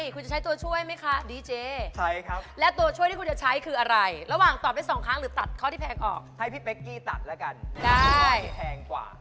ข้อที่แพงออกให้พี่เป๊กกี้ตัดละกันข้อที่แพงกว่า